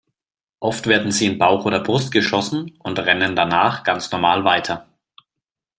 Oft werden sie in Bauch oder Brust geschossen und rennen danach ganz normal weiter.